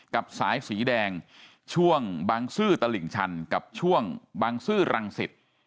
กับสายสีแดงช่วงบางซื่อตลิ่งชันกับช่วงบางซื่อรังสิต